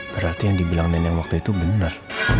berarti yang dibilang nenek waktu itu benar